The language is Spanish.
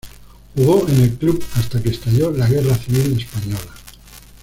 Jugó en el club hasta que estalló la Guerra Civil Española.